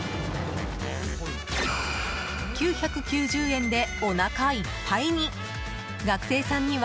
９９０円でおなかいっぱいに。